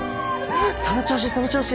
その調子その調子！